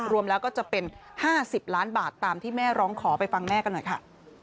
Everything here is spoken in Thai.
รวมแล้วก็จะเป็น๕๐ล้านบาทตามที่แม่ร้องขอไปฟังแม่กันหน่อยค่ะ